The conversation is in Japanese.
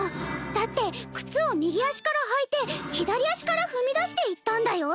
だって靴を右足から履いて左足から踏み出していったんだよ。